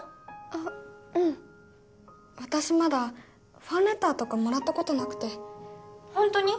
あっうん私まだファンレターとかもらったことなくてほんとに？